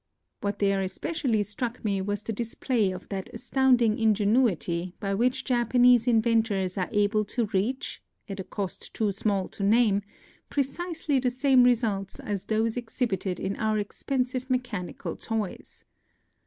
What there especially struck me was the dis play of that astounding ingenuity by which Japanese inventors are able to reach, at a cost too small to name, precisely the same results as those exhibited in our expensive mechani cal toys.